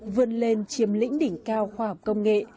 vươn lên chiếm lĩnh đỉnh cao khoa học công nghệ